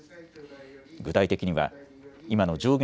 具体的には今の上限